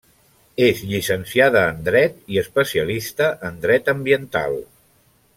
És llicenciada en dret i especialista en dret ambiental.